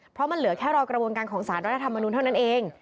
เพราะมันเหลือแค่รอกระบวนการของสารรัฐธรรมนุนเท่านั้นเอง